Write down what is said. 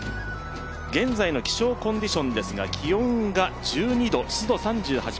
現在の気象コンディションですが気温が１２度、湿度３８％